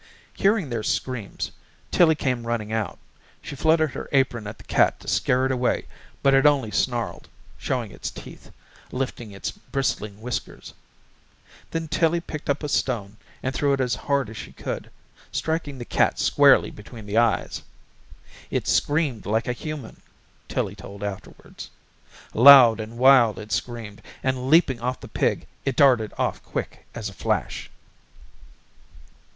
Hearing their screams Tillie came running out. She fluttered her apron at the cat to scare it away but it only snarled, showing its teeth, lifting its bristling whiskers. Then Tillie picked up a stone and threw it as hard as she could, striking the cat squarely between the eyes. It screamed like a human, Tillie told afterwards. Loud and wild it screamed, and leaping off the pig it darted off quick as a flash.